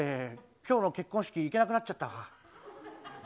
きょうの結婚式行けなくなっちゃった。